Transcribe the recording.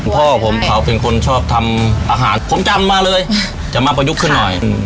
พ่อผมเขาเป็นคนชอบทำอาหารผมจำมาเลยจะมาประยุกต์ขึ้นหน่อย